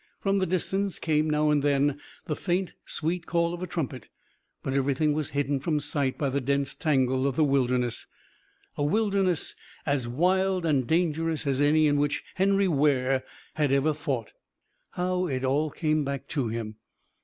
From the distance came now and then the faint, sweet call of a trumpet, but everything was hidden from sight by the dense tangle of the Wilderness, a wilderness as wild and dangerous as any in which Henry Ware had ever fought. How it all came back to him!